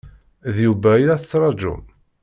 D Yuba i la tettṛaǧum?